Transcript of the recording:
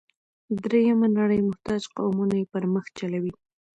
درېیمه نړۍ محتاج قومونه یې پر مخ چلوي.